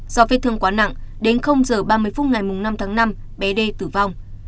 do vết thương quá nặng đến h ba mươi phút ngày năm tháng năm bé đê tử vong